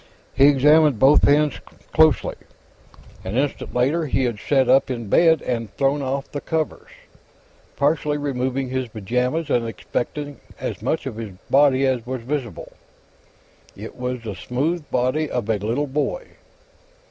He examined both hands closely. An instant later, he had sat up in bed and thrown off the covers, partially removing his pajamas and inspecting as much of his body as was visible. It was the smooth body of a little boy.